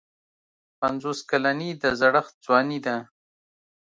پنځوس کلني د زړښت ځواني ده.